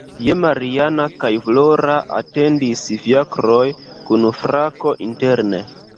Je Mariana kaj Flora atendis ﬁakroj kun frako interne.